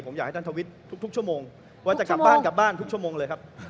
ผมอยากให้ท่านทวิตท์ทุกชั่วโมงว่าจะกลับบ้านเลยครับ